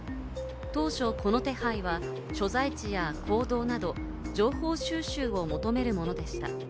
当初この手配は所在地や行動など、情報収集を求めるものでした。